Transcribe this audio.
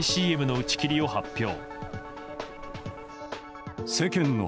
ＣＭの打ち切りを発表。